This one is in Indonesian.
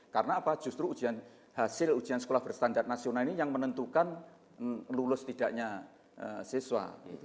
karena justru hasil ujian sekolah berstandar nasional ini yang menentukan lulus tidaknya siswa